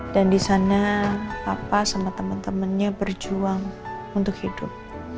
dan disana papa sama temen temennya berjuang untuk hidup